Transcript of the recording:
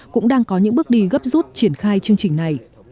cũng đang có những bước đi gấp rút triển khai chương trình này